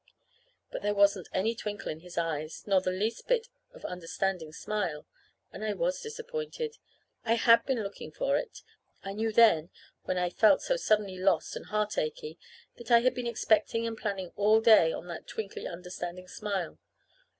But there wasn't any twinkle in his eyes, nor the least little bit of an understanding smile; and I was disappointed. I had been looking for it. I knew then, when I felt so suddenly lost and heart achey, that I had been expecting and planning all day on that twinkly understanding smile.